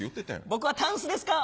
僕はタンスですか？